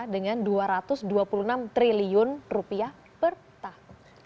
dengan dua ratus dua puluh enam triliun rupiah per tahun